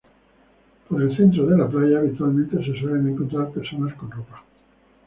Por el centro de la playa habitualmente se suelen encontrar personas con ropa.